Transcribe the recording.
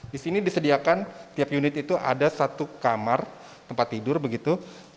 di sini disediakan tiap unit itu ada satu kamar tempat tidur begitu